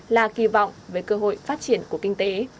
là kỳ vọng về cơ hội phát triển của kinh tế